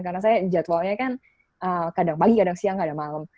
karena saya jadwalnya kan kadang pagi kadang siang kadang malam